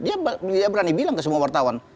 dia berani bilang ke semua wartawan